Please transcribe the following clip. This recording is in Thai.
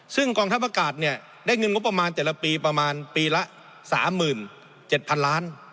ซึ่งกองทัพอากาศเนี่ยได้เงินงบประมาณแต่ละปีประมาณปีละ๓๗๐๐๐ล้าน